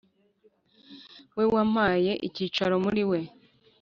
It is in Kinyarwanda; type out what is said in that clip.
We wampaye ikicaro muri we,